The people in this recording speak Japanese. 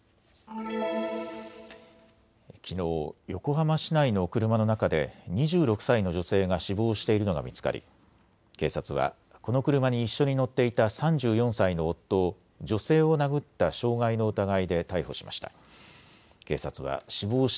きのう横浜市内の車の中で２６歳の女性が死亡しているのが見つかり警察はこの車に一緒に乗っていた３４歳の夫を女性を殴った傷害の疑いで逮捕しました。